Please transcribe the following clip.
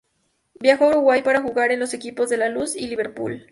Viajó a Uruguay para jugar en los equipos de La Luz y Liverpool.